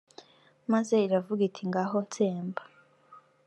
maze iravuga iti ’ngaho tsemba!’